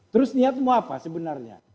terus niat mau apa sebenarnya